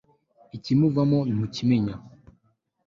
ikimuvamo ntukimenya